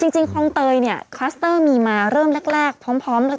จริงคลองเตยเนี่ยคลัสเตอร์มีมาเริ่มแรกพร้อมแล้ว